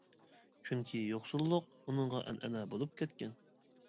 چۈنكى يوقسۇللۇق ئۇنىڭغا ئەنئەنە بولۇپ كەتكەن.